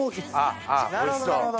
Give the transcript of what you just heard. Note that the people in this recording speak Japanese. なるほどなるほど。